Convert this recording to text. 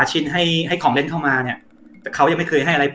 หมดคลายเร็วมา